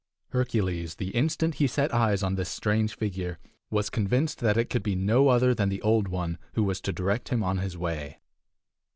Hercules, the instant he set eyes on this strange figure, was convinced that it could be no other than the Old One who was to direct him on his way.